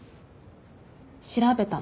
調べたの。